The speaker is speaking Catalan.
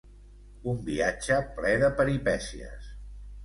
Un viatge ple de peripècies.